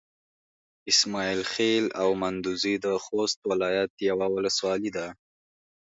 اسماعيل خېل او مندوزي د خوست ولايت يوه ولسوالي ده.